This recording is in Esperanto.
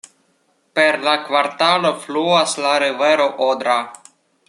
Per la kvartalo fluas la rivero Odra.